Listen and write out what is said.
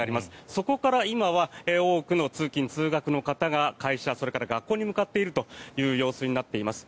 そこから今は多くの通勤・通学の方が会社、学校に向かっているという様子になっています。